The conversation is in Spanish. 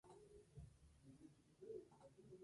Las preparaciones pueden ser múltiples y originales.